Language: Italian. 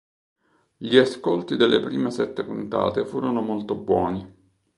Gli ascolti delle prime sette puntate furono molto buoni.